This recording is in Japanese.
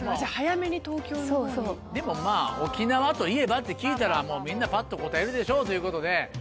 でもまぁ沖縄といえばって聞いたらみんなパッと答えるでしょうということで。